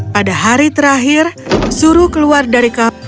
pada hari terakhir suruh keluar dari kapal